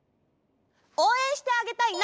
おうえんしてあげたいな。